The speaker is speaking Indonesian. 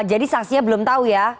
jadi sanksinya belum tahu ya